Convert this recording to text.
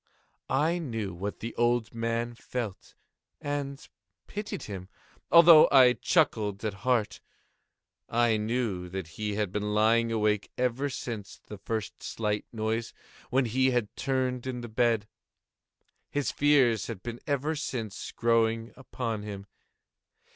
I knew what the old man felt, and pitied him, although I chuckled at heart. I knew that he had been lying awake ever since the first slight noise, when he had turned in the bed. His fears had been ever since growing upon him.